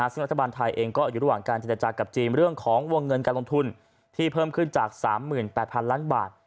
ซึ่งรัฐบาลไทยเองก็อยู่ระหว่างการเจรจากับจีนเรื่องของวงเงินการลงทุนที่เพิ่มขึ้นจาก๓๘๐๐๐ล้านบาท